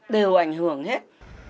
đều ảnh hưởng hết